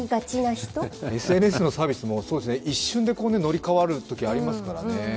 ＳＮＳのサービスもそうですね一瞬で乗りかわるときありますからね。